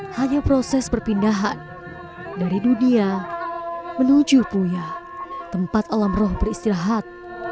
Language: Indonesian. hanya proses perpindahan dari dunia menuju puya tempat alam roh beristirahat